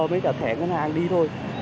với cả thẻ ngân hàng đi thôi